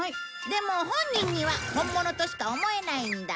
でも本人には本物としか思えないんだ。